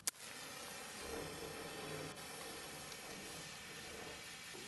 弗格森于斯德哥尔摩市中心的区长大。